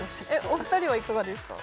お二人はいかがですか？